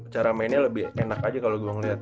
cara mainnya lebih enak aja kalau gue ngeliat